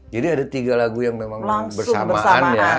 jadi ada tiga lagu yang memang bersamaan ya